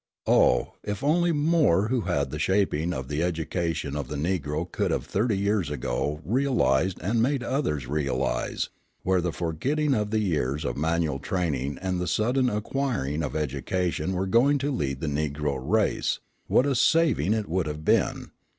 Oh, if only more who had the shaping of the education of the Negro could have, thirty years ago, realised, and made others realise, where the forgetting of the years of manual training and the sudden acquiring of education were going to lead the Negro race, what a saving it would have been!